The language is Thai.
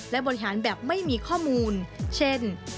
และบริหารแบบไม่มีข้อมูลเช่น